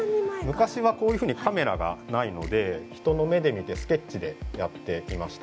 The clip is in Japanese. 昔はこういうふうにカメラがないので人の目で見てスケッチでやっていました。